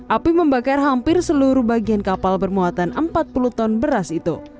api membakar hampir seluruh bagian kapal bermuatan empat puluh ton beras itu